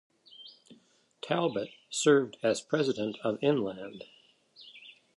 Talbott served as president of Inland.